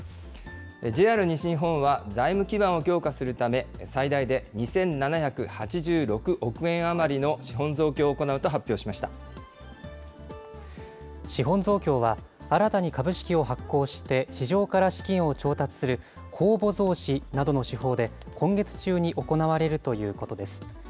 ＪＲ西日本は、財務基盤を強化するため、最大で２７８６億円余り資本増強は、新たに株式を発行して市場から資金を調達する公募増資などの手法で、今月中に行われるということです。